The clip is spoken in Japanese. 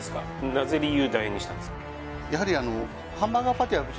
なぜ理由楕円にしたんですか？